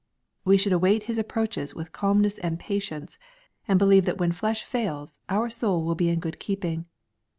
We should await his approaches with calmness and patience, and believe that when flesh ftiils our soul will be in good keeping.